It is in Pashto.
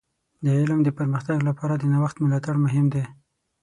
د علم د پرمختګ لپاره د نوښت ملاتړ مهم دی.